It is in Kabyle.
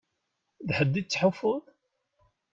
D ḥedd i tettḥufuḍ?